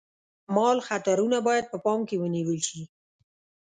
مال خطرونه باید په پام کې ونیول شي.